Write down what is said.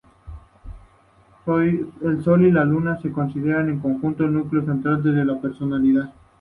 El Sol y la Luna se consideran, en conjunto, el núcleo central de personalidad.